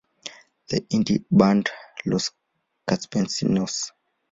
The indie band Los Campesinos!